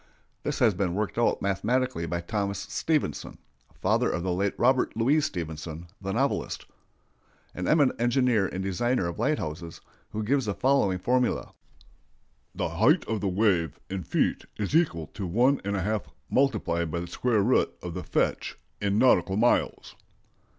This has been worked out mathematically by Thomas Stevenson (father of the late Robert Louis Stevenson, the novelist), an eminent engineer and designer of lighthouses, who gives the following formula: "The height of the wave in feet is equal to 1½ multiplied by the square root of the fetch in nautical miles."